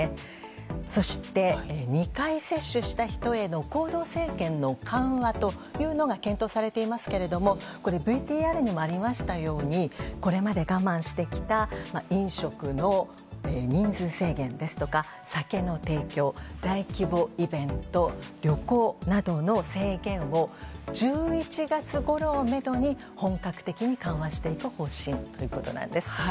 そして、２回接種した人への行動制限の緩和というのが検討されていますけれどもＶＴＲにもありましたようにこれまで我慢してきた飲食の人数制限や酒の提供、大規模イベント旅行などの制限を１１月ごろをめどに本格的に緩和していく方針ということです。